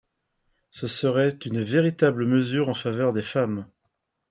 Ce serait une véritable mesure en faveur des femmes.